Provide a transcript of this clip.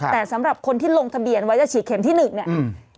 แต่สำหรับคนที่ลงทะเบียนชีดเค็มที่๑เนี่ย